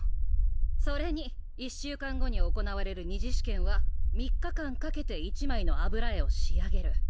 それに１週間後に行われる２次試験は３日間かけて１枚の油絵を仕上げる。